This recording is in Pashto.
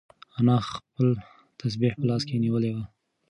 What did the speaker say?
انا خپل تسبیح په لاس کې نیولې وه.